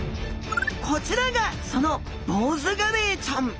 こちらがそのボウズガレイちゃん。